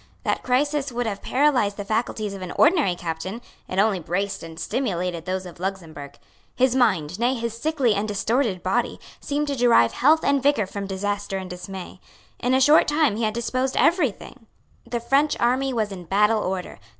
That crisis would have paralysed the faculties of an ordinary captain; it only braced and stimulated those of Luxemburg. His mind, nay his sickly and distorted body, seemed to derive health and vigour from disaster and dismay. In a short time he had disposed every thing. The French army was in battle order.